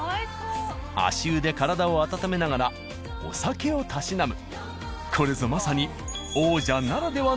足湯で体を温めながらお酒をたしなむ。